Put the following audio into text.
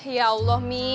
ya allah mi